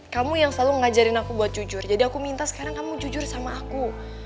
kamu yang selalu ngajarin aku buat jujur jadi aku minta sekarang kamu jujur sama aku